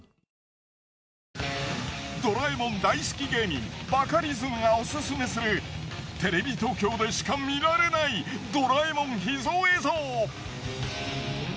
大好き芸人バカリズムがオススメするテレビ東京でしか見られない『ドラえもん』秘蔵映像。